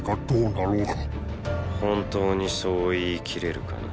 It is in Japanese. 本当にそう言い切れるかな。